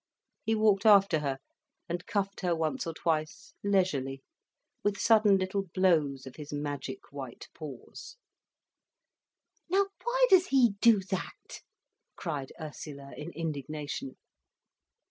He walked after her, and cuffed her once or twice, leisurely, with sudden little blows of his magic white paws. "Now why does he do that?" cried Ursula in indignation.